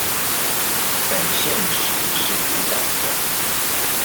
但現實是骨感的